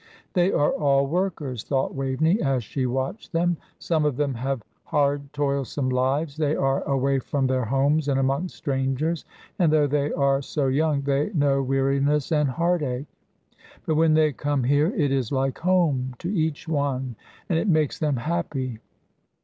"They are all workers," thought Waveney, as she watched them. "Some of them have hard, toilsome lives; they are away from their homes and amongst strangers, and, though they are so young, they know weariness and heartache. But when they come here, it is like home to each one, and it makes them happy.